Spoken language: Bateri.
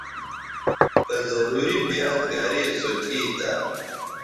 کہ ضروری بیاد گریسو تھی تہ